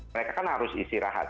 mereka kan harus istirahat